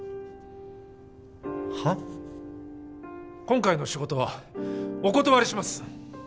今回の仕事はお断りします。